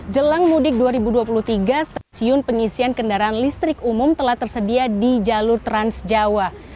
jelang mudik dua ribu dua puluh tiga stasiun pengisian kendaraan listrik umum telah tersedia di jalur trans jawa